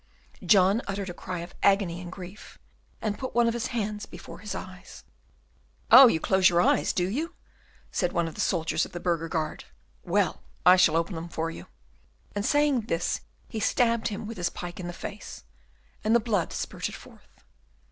John uttered a cry of agony and grief, and put one of his hands before his eyes. "Oh, you close your eyes, do you?" said one of the soldiers of the burgher guard; "well, I shall open them for you." And saying this he stabbed him with his pike in the face, and the blood spurted forth.